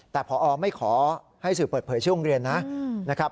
แต่พอไม่ขอให้สื่อเปิดเผยชื่อโรงเรียนนะครับ